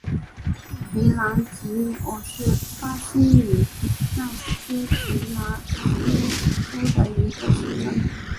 皮兰吉纽是巴西米纳斯吉拉斯州的一个市镇。